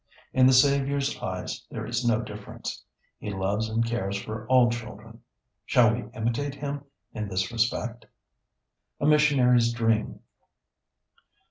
In the Saviour's eyes there is no difference, He loves and cares for all children. Shall we imitate Him in this respect? [Sidenote: A missionary's dream.